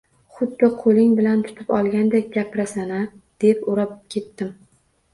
Xuddi qoʻling bilan tutib olgandek gapirasan a, deb ura ketdim